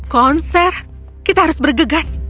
konser kita harus bergegas